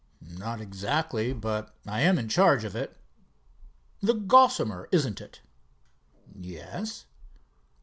"Not exactly, but I am in charge of it." "The Gossamer, isn't it?" "Yes."